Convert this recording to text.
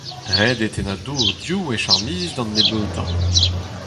Ret eo tennañ dour div wech ar miz d'an nebeutañ.